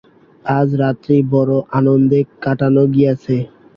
আজ রাত্রি বড়ো আনন্দে কাটানো গিয়াছে।